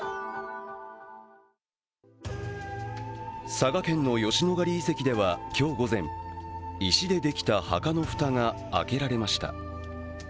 佐賀県の吉野ヶ里遺跡では今日午前、石でできた墓の蓋が開けられました。